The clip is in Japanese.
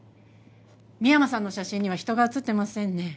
深山さんの写真には人が写ってませんね。